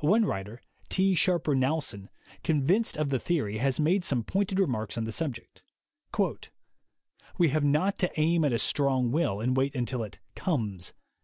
One writer, T. Sharper Knowlson, convinced of the theory, has made some pointed remarks on the subject: "We have not to aim at a strong will, and wait until it 'comes.'